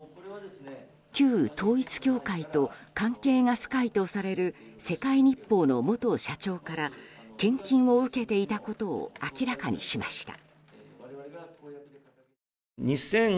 国民民主党の玉木代表は旧統一教会と関係が深いとされる世界日報の元社長から献金を受けていたことを明らかにしました。